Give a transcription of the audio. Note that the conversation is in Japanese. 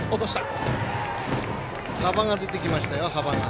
幅が出てきましたよ、幅が。